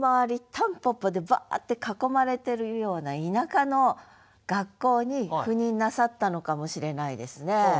蒲公英でバーッて囲まれてるような田舎の学校に赴任なさったのかもしれないですね。